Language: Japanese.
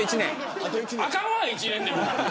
あかんわ、１年でも。